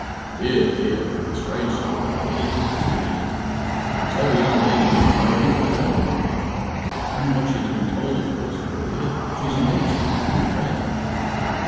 "Dear, dear! a strange story, indeed," said Mr. Meekin. "And so the young lady doesn't know anything about it?" "Only what she has been told, of course, poor dear. She's engaged to Captain Frere."